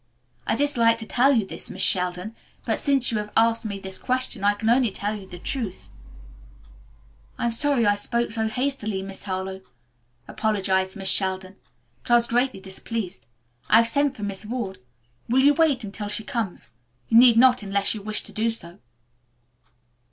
I dislike to tell you this, Miss Sheldon, but since you have asked me this question I can only tell you the truth." "I am sorry I spoke so hastily, Miss Harlowe," apologized Miss Sheldon, "but I was greatly displeased. I have sent for Miss Ward. Will you wait until she comes? You need not unless you wish to do so."